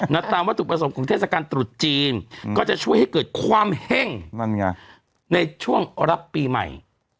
ณตามว่าถูกประสบของเทศกาลตุดจีนก็จะช่วยให้เกิดความเห้งในช่วงรับปีใหม่